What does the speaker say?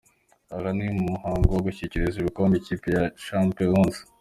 Aha ni mumuhango wo gushyikiriza igikombe ikipe ya Chapecoense.